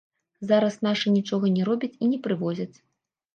Зараз нашы нічога не робяць і не прывозяць.